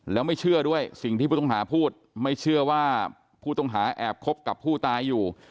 แล้วไม่เชื่อด้วยสิ่งที่ผู้ต้องหาพูดไม่เชื่อว่าผู้ต้องหาแอบคบกับผู้ตายอยู่